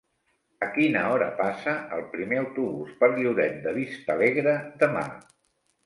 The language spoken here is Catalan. A quina hora passa el primer autobús per Lloret de Vistalegre demà?